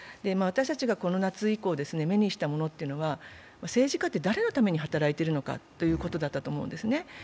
私たちがこの夏以降目にしたものというのは、政治家って誰のために働いているのかということだったと思うんですね。